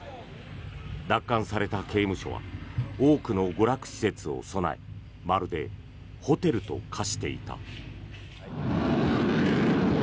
奪還された刑務所は多くの娯楽施設を備えまるでホテルと化していた。